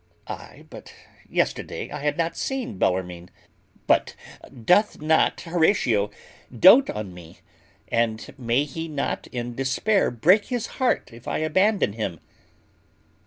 Aye, but yesterday I had not seen Bellarmine. But doth not Horatio doat on me, and may he not in despair break his heart if I abandon him?